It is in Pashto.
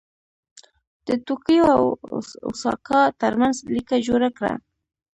د توکیو او اوساکا ترمنځ لیکه جوړه کړه.